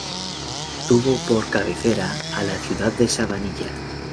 Tuvo por cabecera a la ciudad de Sabanilla.